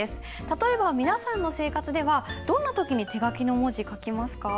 例えば皆さんの生活ではどんな時に手書きの文字書きますか？